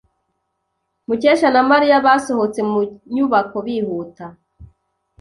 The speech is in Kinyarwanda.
Mukesha na Mariya basohotse mu nyubako bihuta.